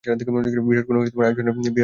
বিরাট কোনও আয়োজনের দরকার নেই।